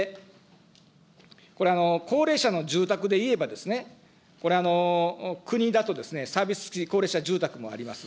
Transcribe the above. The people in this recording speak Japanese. これ、高齢者の住宅でいえばですね、これ、国だとですね、サービス付き高齢者住宅もあります。